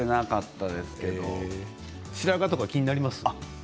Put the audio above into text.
白髪とか気になりますか。